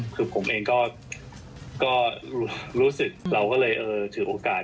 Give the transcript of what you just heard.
คือผมเองก็เราก็เลยถือโอกาส